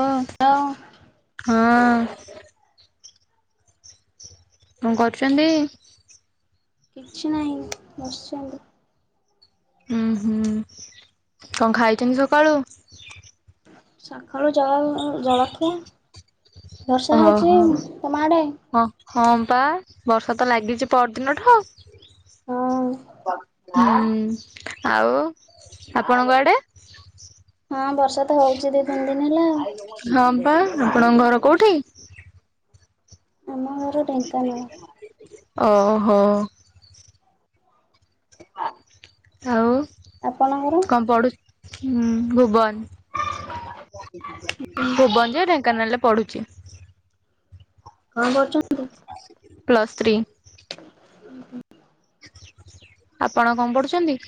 Of ହ୍ୟାଁ ହଁ। କଣ କରୁଛନ୍ତି? କିଛି ନାହିଁ ବସିଛନ୍ତି ହୁଁ ହ କଣ ଖାଇଛନ୍ତି ସକାଳୁ? ସକାଳୁ ଜଳଖିଆ ବର୍ଷା ଓହୋ ହେଉଛି ତମ ଆଡ଼େ? ହଁ ହଁ ବା ବର୍ଷା ତ ଲାଗିଛି ପରଦିନ ଠୁ ହଁ ହୁଁ ଆଉ ଆପଣଙ୍କଆଡେ ହଁ ବର୍ଷା ତ ହଉଛି ଦି ତିନି ଦିନ ହେଲା ଆଉ। ହଁ ବା ଆପଣଙ୍କ ଘର କୋଉଠି ଆମ ଘର ଢେଙ୍କାନାଳ ହଁ ଓହୋ ଆଉ ଆପଣଙ୍କର। କଣ ପଢୁ ଉଁ ଭୁବନ ଭୁବନ ଯେ ଢେଙ୍କାନାଳରେ ପଢୁଛି। କଣ ପ୍ଲସ୍ ଥ୍ରୀ। ହ ହ [inaudible] ଆପଣ କଣ ପଢୁଛନ୍ତି।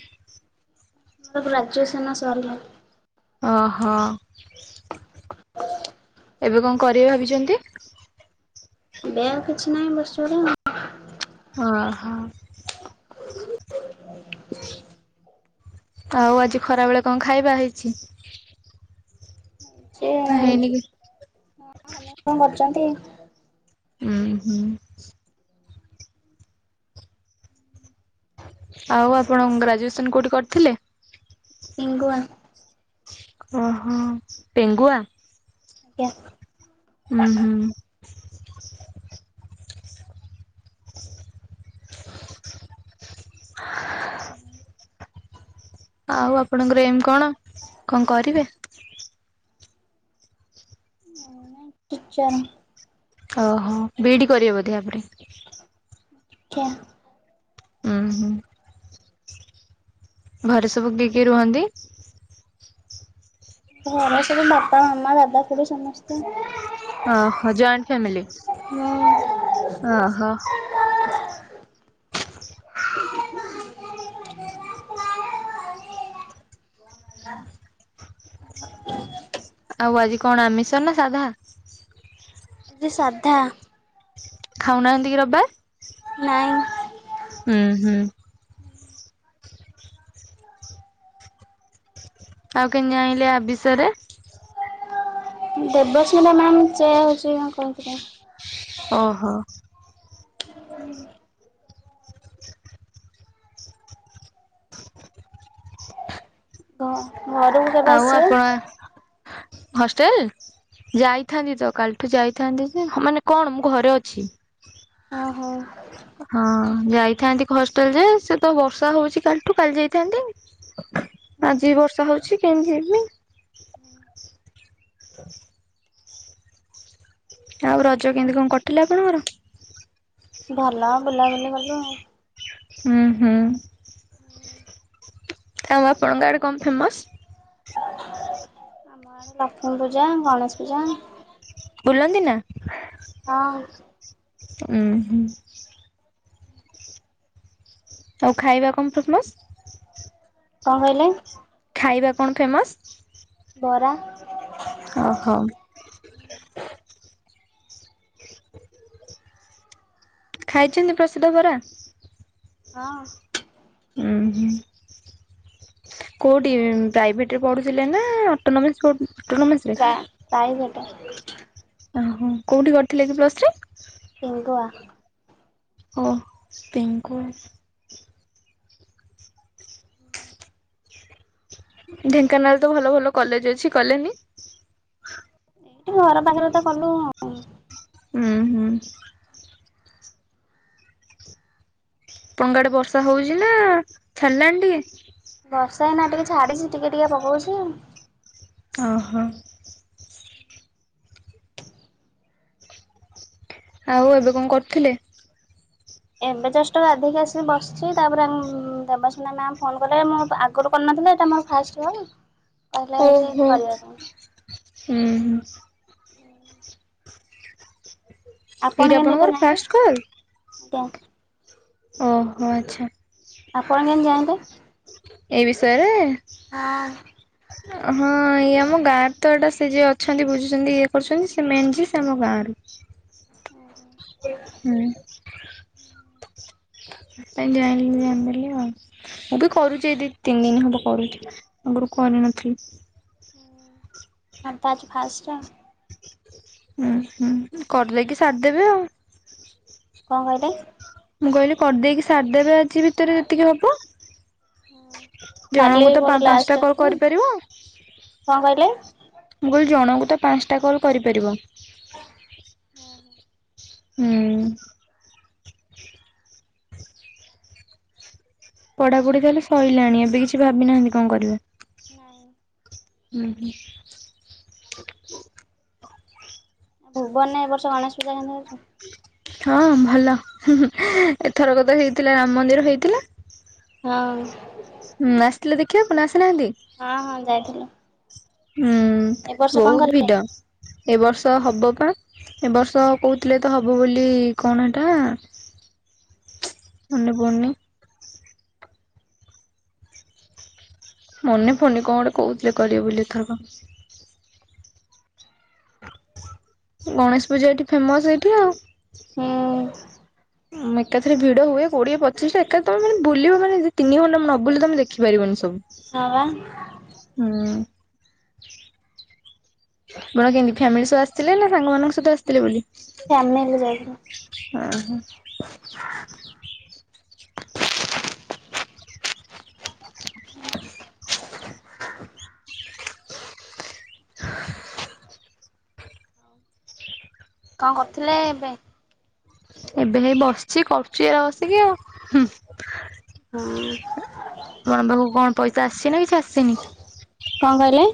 ମୋର ଗ୍ରାଡ଼୍ୟୁଏସନ୍ ସାରିଲ। ଓହୋ। [unintelligible] ଏବେ କଣ କରିବେ ଭାବିଛନ୍ତି। ବ୍ୟାଗ କିଛି ନାହିଁ ବସରେ ଆଉ [unintelligible] ଓଁ ହୋ। ଆଉ ଆଜି ଖରା ବେଳେ କଣ ଖାଇବା ହେଇଛି। ସେ [inaudible] ହେଇନି କି। କଣ କରୁଛନ୍ତି। ହୁଁ ହୁଁ [inaudible] ଆଉ ଆପଣ ଗ୍ରାଜୁଏସନ୍ କୋଉଠି କରିଥିଲେ। ପିଙ୍ଗୁଆ। ଓ ହୋ ପେଙ୍ଗୁଆ। ଆଜ୍ଞା। ହୁଁ ହୁଁ। [unintelligible] ଆଉ ଆପଣଙ୍କର ଏମ୍ କଣ କଣ କରିବେ। ଟିଚର। ଓହୋ ବିଇଡି କରିବେ ବଧେ ଆପରେ। ଆଚ୍ା [inaudible] ହୁଁ ହୁଁ। ଘରେ ସବୁ କିଏ କିଏ ରୁହନ୍ତି। ହମ ସୁ ବାପା ମାାମମା ଦାଦା କୁେ ସମସ୍ତ [unintelligible] ଓହୋ ଜଏଣ୍ଟ ଫ୍ୟାମିଲ ଓହୋ। ହ [inaudible] ଆଉ ଆଜି କଣ ଆମିଷ ନା ସାଧା। ସାଧା। ଖାଉନାହାନ୍ତି କି ରବିବାର। ନାଇଁ। ହୁଁ ହୁଁ। ଆଉ କେନ୍ ଜାଇଁଲେ ଆବିଷରେ। ଦେବସ୍ମିତା ମ୍ୟାମ୍ ସେ ହେଉଛି ଓହୋ। [unintelligible] ଘ ଘରୁ ଆଉ [unintelligible] ହଷ୍ଟେଲ। ଯାଇଥାନ୍ତି ତ କାଲିଠୁ ଯାଇଥାନ୍ତି ଯେ ମାନେ କଣ? ମୁଁ ଘରେ ଅଛି। ଓ ହୋ ହଁ ଯାଇଥାନ୍ତି ଘଷ୍ଟେଲ ଯେ ସେ ତ ବର୍ଷା ହଉଛି କାଲିଠୁ କାଲି ଯାଇଥାନ୍ତି। ଆଜି ବର୍ଷା ହେଉଛି କେମିତି ଯିମି। ହୁଁ ଆଉ ରଜ କେମିତି କଣ କଟିଲା ଆପଣଙ୍କର? ଭଲ ବୁଲାବୁଲି କଲୁ ଆଉ। ଉଁ ହୁଁ। ଆଉ ଆପଣଙ୍କ ଆଡ଼େ କଣ ଫେମସ୍? ଆମ ଆଡେ ଲକ୍ଷ୍ମୀ ପୂଜା ଗଣେଶ ପୂଜା। ବୁଲନ୍ତି ନା। ହଁ। ଉଁ ହୁଁ। ଆଉ ଖାଇବା କଣ? [unintelligible] କଣ କହିଲେ? ଖାଇବା କଣ ଫେମସ୍? ବରା ଅ ହ [inaudible] ଖାଇଛନ୍ତି ପ୍ରସିଦ୍ଧ ବରା? ହଁ। ଉଁ ହୁଁ। କେଉଁଠି ପ୍ରାଇଭେଟ୍ ରେ ପଢ଼ୁଥିଲେ ନା? ଅଟୋନୋମିସ୍ ପ୍ରା ପ୍ରାଇଭେଟ୍। ଓ ହୋ କୋଉଠି କରିଥିଲେ କି ପ୍ଲସ୍ ଥ୍ରୀ? ଲିଙ୍ଗୁଆ ଓ ହୋ ପିଙ୍ଗୁ [inaudible] ଢେଙ୍କାନାଳ ତ ଭଲ ଭଲ କଲେଜ ଅଛି କଲେନି? ଏଇଠି ଘର ପାଖରେ ତ କଲୁ ଆଉ। ଉଁ ହୁଁ। ଣଙ୍କ ଆଡେ ବର୍ଷା ହୋଉଛି ନା ଛାଡିଲାଣି ଟିକେ? ବର୍ଷା ଏଇନା ଟିକେ ଛାଡିଚି ଟିକେ ଟିକେ ପକଉଛି ଆଉ। ଅ ହୋ ଆଉ ଏବେ କଣ କରୁଥିଲେ? ଏବେ ଜଷ୍ଟ ଗାଧେଇକି ଆସିକି ବସିଛି ‌ ତା ପରେ ଉଁ ଦେବସ୍ମିତା ମାମ୍ ଫୋନ୍ କଲେ ମୁଁ ପା ଆଗରୁ କରିନଥିଲି ଏଇଟା ମୋ ଫାଷ୍ଟ କଲ୍? କହିଲେ ଉଁ ହଉଛି ହୁଁ କରିବା ପାଇଁ ହୁଁ ଉଁ [unintelligible] ଆପଣ କେମିତି ଆପଣଙ୍କର ଏଇଟା ଫାଷ୍ଟ ଜାଣିଲେ। ଓ ହୋ ଆଚ୍ଛା। ଆପଣ କେମିତି ଜାଇଁଲେ? ଏ ବିଷୟରେ ହଁ। [inaudible] ହଁ ଇଏ ଆମ ଗାଁ ରେ ତ ଏଇଟା ସେ ଯିଏ ଅଛନ୍ତି। ବୁଝୁଛନ୍ତି ଇଏ କରୁଛନ୍ତି ସେ ମେମ୍ ଯିଏ ସିଏ ଆମ ଗାଁ ରୁ। ଉଁ ସେଥିପାଇଁ ଜାଣିଲି ଜାଣି ଦେଲି ଆଉ। ମୁଁ ବି କରୁଛି ଏ ଦି ତିନି ଦିନ ହବ କରୁଛି ଆଗରୁ କରିନଥିଲି। ଆମେ ତ ଆଜି ଫାଷ୍ଟ ଆଉ। ଉଁ ହୁଁ କରିଲେଇକି ସାରିଦେବେ ଆଉ। କଣ କହିଲେ? ମୁଁ କହିଲି କରିଦେଇକି ସାରିଦେବେ ଆଜି ଭିତରେ ଯେତିକି ହବ। କାଲି ଜଣଙ୍କୁ ତ ପା ଗୋଟେ ଲାଷ୍ଟ ପାଞ୍ଚଟା କଲ ଅଛି। କରିପାରିବ। କଣ କହିଲେ? ମୁଁ କହିଲି ଜଣଙ୍କୁ ତ ପାଞ୍ଚଟା କଲ୍ କରିପାରିବ। ଉଁ ହୁଁ। ହୁଁ। ପଢ଼ାପଢ଼ି ତାହେଲେ ସଇଲାଣି ଏବେ କିଛି ଭାବି ନାହାନ୍ତି କଣ କରିବେ? ନାଇଁ। ଉଁ ହୁଁ। ଭୁବନେ ଏ ବର୍ଷ ଗଣେଶ ପୂଜା କେମିତି ଅଛୁ। ହଁ ଭଲ ହୁଁ ହୁଁ ଏଥରକ ତ ହେଇଥିଲା ରାମ ମନ୍ଦିର ହେଇଥିଲା। ହଁ। ହୁଁ ଆସିଥିଲେ ଦେଖିବାକୁ ନା ଆସିନାହାଁନ୍ତି? ହଁ ହଁ ଯାଇଥିଲୁ। ହୁଁ ଏ ବର୍ଷ କଣ ବହୁତ କଲେ? ଭିଡ ଏ ବର୍ଷ ହବ ବା। ଏ ବର୍ଷ କହୁଥିଲେ ତ ହବ ବୋଲି କଣ ସେଟା? ମନେ ପଡୁନି। ମନେ ପଡୁନି କଣ ଗୋଟେ କହୁଥିଲେ କରିବେ ବୋଲି ଏଥରକ। ଗଣେଶ ପୂଜା ଏଇଠି ଫେମସ ଏଇଠି ଆଉ। ହୁଁ ଉଁ ଏକାଥରେ ଭିଡ ହୁଏ କୋଡିଏ ପଚିଶଟା ଏକାଥମୋନେ ବୁଲିବ ମାନେ ତିନି ଘଣ୍ଟା ନ ବୁଲିଲେ ତମେ ଦେଖିପାରିବନି ସବୁ। ହଁ ବା। ହୁଁ। ଆପଣ କେମିତି ଫ୍ୟାମିଲି ସହ ଆସିଥିଲେ ନା ସାଙ୍ଗମାନଙ୍କ ସହିତ ଆସିଥିଲେ ବୋଲି। ଫ୍ୟାମିଲି ଯାଇଥିଲେ। ଓ ହୋ। [inaudible] [inaudible] କଣ କରୁଥିଲେ ଏବେ? ଏବେ ହେଇ ବସିଛି କରୁଚି ଆଉ ବସିକି ଆଉ ହୁଁ। ଅଁ ତମ ପାଖକୁ କଣ ପଇସା ଆସିଚି ନା କିଛି ଆସିନି? କଣ କହିଲେ?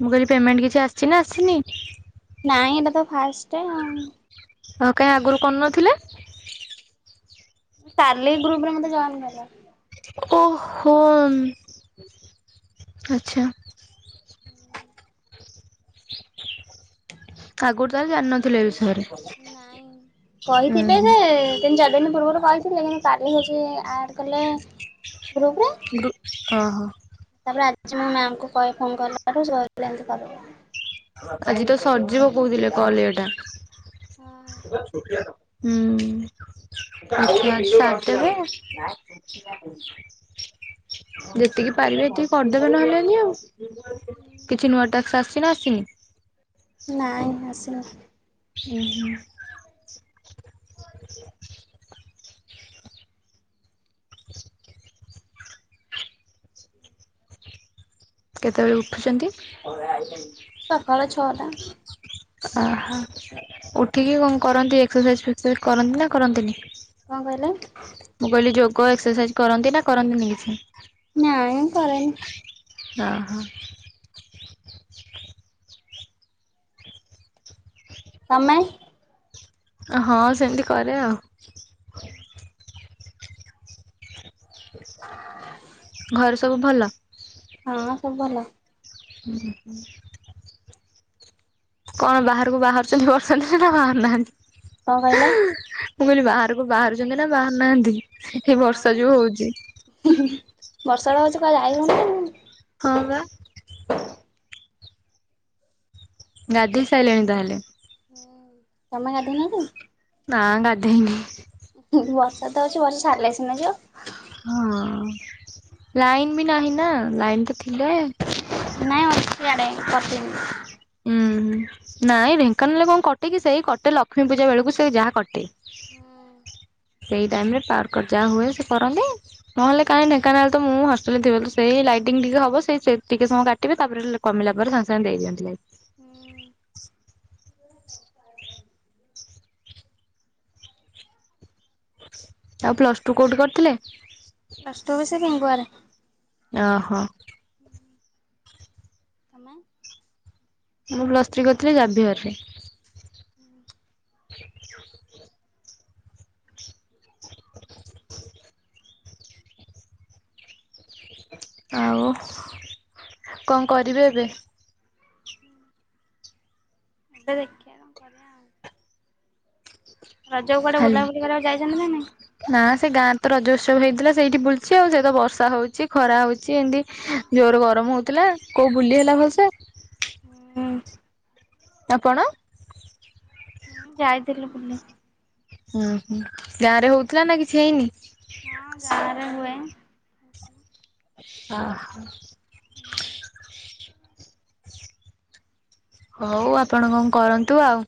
ମୁଁ କହିଲି ପେମେଣ୍ଟ କିଛି ଆସିଛି ନା ଆସିନି? ନାଇଁ ଏଇଟା ତ ଫାଷ୍ଟ। ଆଉ। ହଁ କାଇଁ ଆଗରୁ କରୁ ନଥିଲେ? କାଲି ଗ୍ରୁପରେ ମତେ ଜଏନ୍ କଲେ। ଓ ହୋ ଆଚ୍ଛା। [inaudible] ଆଗରୁ ତାହେଲେ ଜାଣିନଥିଲେ ଏ ବିଷୟରେ? ନାଇଁ ଉଁ କହିଥିଲେ ଯେ ତିନି ଚାରିଦିନ ପୂର୍ବରୁ କହିଥିଲେ କିନ୍ତୁ କାଲି ହଉଛି ଆଡ କଲେ ଗ୍ରୁପ ଓହୋ। ତାପରେ ଆଜି ମୁଁ ମ୍ୟାମ୍ କହି ଫୋନ୍ କଲାଠାରୁ ସେ [unintelligible] ଏମତି କଲେ। ଆଜି ତ ସରିଯିବ କହୁଥିଲେ ଏ କଲ୍ ଇଏଟା। ହୁଁ ଆଛା [inaudible] ଯେତିକି ପାରିବେ ଏତିକି କରିଦେବେ ନହେଲେଣିି ଆଉ। କିଛି ନୂଆ ଟ୍ୟାକ୍ସ ଆସିଛି ନା ଆସିନି। ନାଇଁ ଆସିନି। ଉଁ ହୁଁ। ସେ କେତେବେଳେ ଉଠୁଛନ୍ତି? ସକାଳ ଛଅ ଟା। ଆ ହା। ଉଠିକି କଣ କରନ୍ତି ଏକ ଏକ୍ସରସାଇଜ୍ ଫେକ୍ସରସାଇଜ କରନ୍ତି ନା କରନ୍ତିନି? କଣ କହିଲେ? ମୁଁ କହିଲି ଯୋଗ ଏକ୍ସରସାଇଜ କରନ୍ତି ନା କରନ୍ତିନି କିଛି। ନାଇ କରେନି। ହଁ ହଁ। ତମେ? ହଁ ସେମିତି କରେ ଆଉ ଘର ସବୁ ଭଲ। ହଁ ସବୁ ଭଲ। ହୁଁ ହୁଁ। କଣ ବାହାରକୁ ବାହାରୁଛନ୍ତି ବର୍ଷାଦିନରେ ନା ବାହାରୁ ନାହାନ୍ତି। କଣ କହିଲେ? ମୁଁ କହିଲି ବାହାରକୁ ବାହାରୁଛନ୍ତି ନା ବାହାରୁ ନାହାନ୍ତି। ଏଇ ବର୍ଷା ଯୋଉ ହଉଛି? ହଁ ବର୍ଷା ହଉଛି କୁଆଡେ ଯାଇ ହଉନି। ହଁ ବା। ଗାଧେଇ ସାଇଲେଣି ତାହେଲେ। ତମେ ଗାଧେଇ ନ କି? ନା ଗାଧେଇନି। ବର୍ଷା ତ ହଉଛି ବର୍ଷା ସାରିଲେ ସିନା ଯିବ। ହଁ। ଲାଇନ ବି ନାହିଁ ନା ଲାଇନ ତ ଥିଲେ। ନାଇଁ ଅଛି ଇଆଡ଼େ [inaudible] ମୁଁ। ଉଁ ହୁଁ। ନାଇଁ ଢେଙ୍କାନାଳ କଣ କଟେ କିି ସେଇ କଟେ ଲକ୍ଷ୍ମୀ ପୂଜା ବେଳକୁ ସେ ଯାହା କଟେ। ହୁଁ। ସେଇ ଟାଇମରେ ପାର୍କର୍ ଯାହା ହୁଏ ସେ କରନ୍ତି। ନହେଲେ କାହିଁ ଢେଙ୍କାନାଳ ତ ମୁଁ ହଷ୍ଟେଲରେ ଥିବ ତ ସେଇ ଲାଇଟିଙ୍ଗ ଟିକେ ହବ ସେଇ ସେ ଟିକେ ସମୟ କାଟିବେ ତାପରେ କମିଲା ପରେ ସାଙ୍ଗେସାଙ୍ଗେ ଦେଇଦିଅନ୍ତି ଲାଇଟ। ହୁଁ। [inaudible] ଆଉ ପ୍ଲସ୍ ଟୁ କଉଠି କରିଥିଲେ? ପ୍ଲସ ଟୁ ବି ସେହି ଗୋଆରେ। ଅଁ ହଁ। ତମେ? ମୁଁ ପ୍ଲସ୍ ଥ୍ରୀ କରିଥିଲି ଜାଭିୟରରେ। ହୁଁ। [inaudible] [inaudible] ଆଉ କଣ କରିବେ ଏବେ? ଏବେ ଦେଖିବା କଣ କରିବା ଆଉ? ରଜକୁ କୁଆଡେ ଖାଲି ବୁଲାବୁଲି କରିବାକୁ ଯାଇଛନ୍ତି ନା ନାଇଁ। ନା ସେ ଗାଁରେ ତ ରଜ ଉତ୍ସବ ହେଇଥିଲା ସେଇଠି ବୁଲୁଛି ଆଉ ସେତ ବର୍ଷା ହଉଛି ଖରା ହଉଛି ଏମତି ଜୋର ଗରମ ହଉଥିଲା। କୋଉ ବୁଲି ହେଲା ଭଲସେ? ହୁମ। ଆପଣ? ହଁ ଯାଇଥିଲି ବୁଲି। ଉଁ ହୁ ଗାଁ ରେ ହଉଥିଲା ନା କିଛି ହେଇନି? ହଁ ଗାଁ ରେ ହୁଏ। ହ ହ। ହଉ ଆପଣ କଣ କରନ୍ତୁ ଆଉ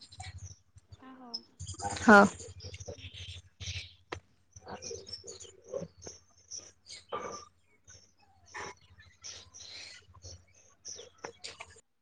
ହଉ। [unintelligible]